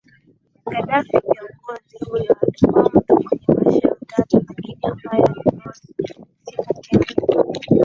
Ghaddafi Kiongozi huyo alikuwa mtu mwenye maisha ya utata lakini ambaye alipewa sifa kemkem